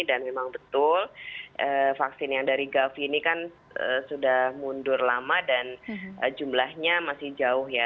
dan memang betul vaksin yang dari gavi ini kan sudah mundur lama dan jumlahnya masih jauh ya